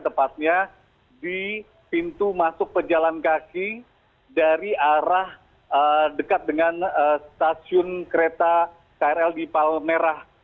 tepatnya di pintu masuk pejalan kaki dari arah dekat dengan stasiun kereta krl di palmerah